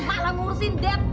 malah ngurusin dev